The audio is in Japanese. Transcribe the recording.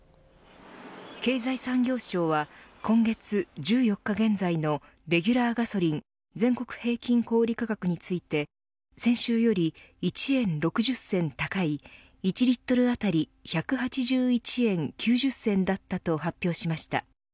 経済産業省は今月１４日現在のレギュラーガソリン全国平均小売価格について先週より１円６０銭高い１リットル当たり１８１円９０銭だったと発表しました。